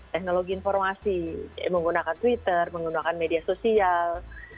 teknologi informasi menggunakan twitter menggunakan media sosial